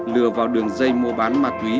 lừa vào đường dây mua bán mặt quý